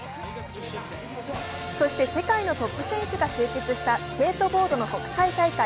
そして世界のトップ選手が集結した、女子スケートボードの国際大会。